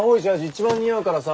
一番似合うからさ。